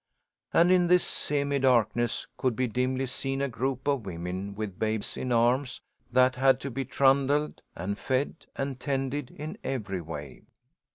And in this semi darkness could be dimly seen a group of women with babes in arms that had to be trundled, and fed, and tended in every way.